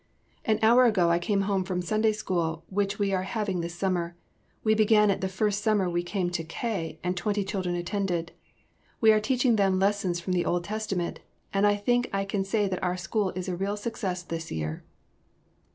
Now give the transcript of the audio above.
"An hour ago I came home from Sunday School which we are having this summer. We began it the first summer we came to K. ... and twenty children attend. We are teaching them lessons from the Old Testament, and I think I can say that our school is a real success this year."